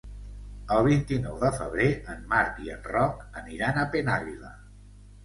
El vint-i-nou de febrer en Marc i en Roc aniran a Penàguila.